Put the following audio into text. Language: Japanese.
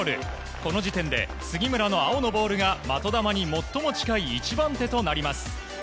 この時点で、杉村の青のボールが的球に最も近い１番手となります。